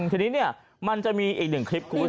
ทีนี้มันจะมีอีกหนึ่งคลิปคุณผู้ชม